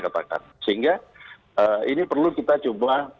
sehingga ini perlu kita coba